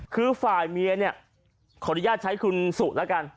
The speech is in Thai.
คือฝ่ายเมียเนี่ยขออนุญาตใช้คุณสุแล้วกัน